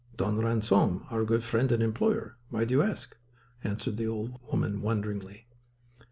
"Don Ransom, our good friend and employer. Why do you ask?" answered the old woman wonderingly.